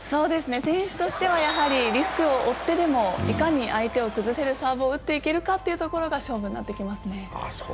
選手としてはリスクを負ってでも、いかに相手を崩せるサーブを打っていけるかが勝負になってきますね。